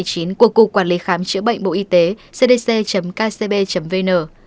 của cục quản lý khám chữa bệnh bộ y tế cdc kcb vn